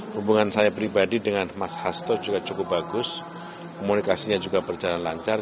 hubungan saya pribadi dengan mas hasto juga cukup bagus komunikasinya juga berjalan lancar